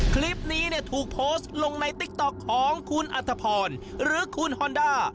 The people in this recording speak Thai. คลิปนี้เนี่ยถูกโพสต์ลงในติ๊กต๊อกของคุณอัธพรหรือคุณฮอนด้า